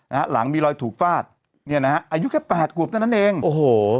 นะฮะหลังมีรอยถูกฟาดเนี้ยนะฮะอายุแค่แปดกว่าตั้งแต่นั้นเองโอ้โห